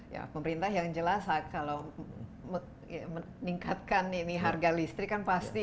ya pemerintah yang jelas kalau meningkatkan ini harga listrik kan pasti